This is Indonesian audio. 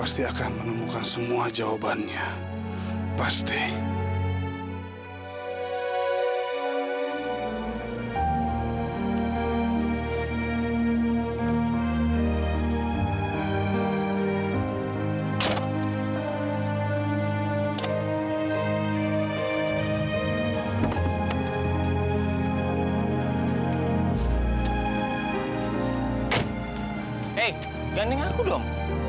saya ini bukan anaknya om